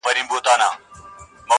چي مي دري نیوي کلونه کشوله-